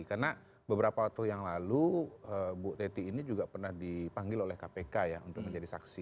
karena beberapa waktu yang lalu bu teti ini juga pernah dipanggil oleh kpk ya untuk menjadi saksi